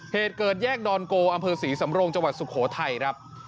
เหตุเกิดแยกดอนโกอำเภอศรีสำรงจังหวัดสุโขทัยครับ